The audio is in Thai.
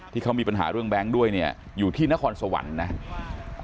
ที่เขามีปัญหาเรื่องแบงก์ด้วยอยู่ที่นครสวรรค์นะ